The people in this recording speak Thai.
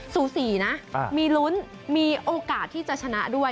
สูสีนะมีลุ้นมีโอกาสที่จะชนะด้วย